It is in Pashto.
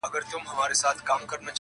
کفن په غاړه ګرځومه قاسم یاره پوه یم